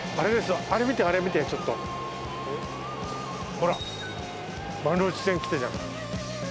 ほら丸ノ内線来たじゃん。